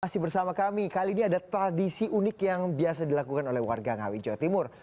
masih bersama kami kali ini ada tradisi unik yang biasa dilakukan oleh warga ngawi jawa timur